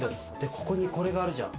ここにこれがあるじゃん。